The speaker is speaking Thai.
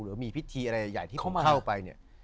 หรือมีพิธีอะไรใหญ่ที่เขาเข้าไปเนี่ย